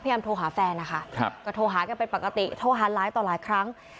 พยายามโทรหาแฟนนะคะก็โทรหากันเป็นปกติโทรหาหลายต่อหลายครั้ง